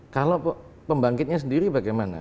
kalau pembangkitnya sendiri bagaimana